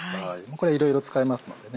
これいろいろ使えますのでね。